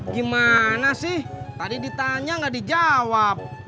gimana sih tadi ditanya nggak dijawab